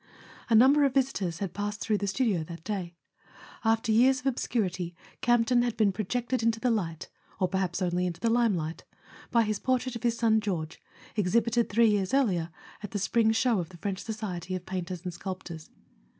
A number of visitors had passed through the studio that day. After years of obscurity Campton had been projected into the light—or perhaps only into the lime¬ light—by his portrait of his son George, exhibited three years earlier at the spring show of the French Society of Painters and Sculptors.